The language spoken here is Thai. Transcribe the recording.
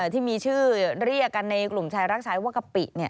ที่มีชื่อเรียกกันในกลุ่มชายรักชายว่ากะปิ